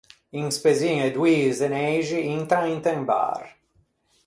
Un spezzin e doî zeneixi intran inte un bar.